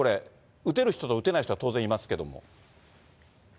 打てる人と打てない人は当然いますけど。